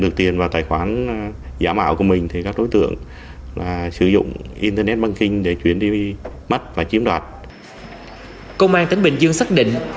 công an tỉnh bình dương xác định